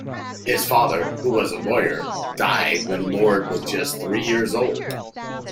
His father, who was a lawyer, died when Lord was just three years old.